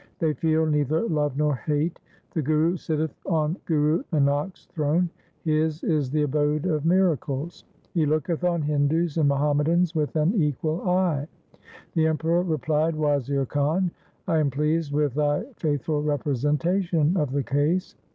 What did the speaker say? They feel neither love nor hate. The Guru sitteth on Guru Nanak's throne. His is the abode of miracles. He looketh on Hindus and Muhammadans with an equal eye.' The Emperor replied, ' Wazir Khan, I am pleased with thy faith ful representation of the case.'